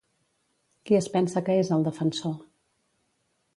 Qui es pensa que és el defensor?